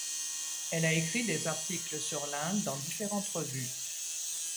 Elle a écrit des articles sur l'Inde dans différentes revues.